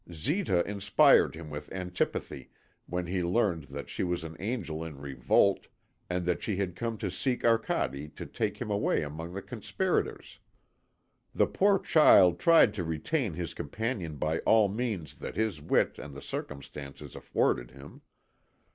Zita inspired him with antipathy when he learned that she was an angel in revolt and that she had come to seek Arcade to take him away among the conspirators. The poor child tried to retain his companion by all the means that his wit and the circumstances afforded him.